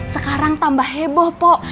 sekarang tambah heboh pok